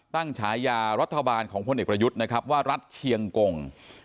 ฉายารัฐบาลของพลเอกประยุทธ์นะครับว่ารัฐเชียงกง